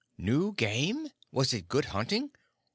"New game? Was it good hunting?"